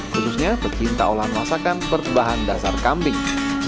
khususnya pecinta olahan masakan berbahan dasar kambing